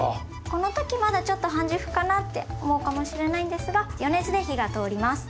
この時まだちょっと半熟かなって思うかもしれないんですが余熱で火が通ります。